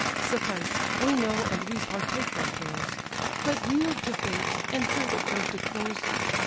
Suffice, we know and we partake thy cares; But yield to fate, and hear what Jove declares.